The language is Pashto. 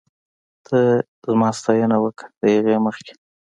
ته زما ستاينه وکړه ، د هغې مخکې